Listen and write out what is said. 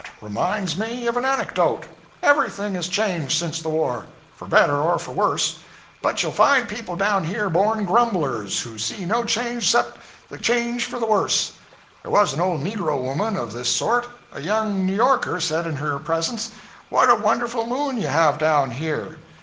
Reminds me of an anecdote. Everything is changed since the war, for better or for worse; but you'll find people down here born grumblers, who see no change except the change for the worse. There was an old negro woman of this sort. A young New Yorker said in her presence, "What a wonderful moon you have down here!"